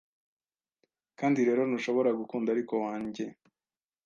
Kandi rero ntushobora gukunda ariko wange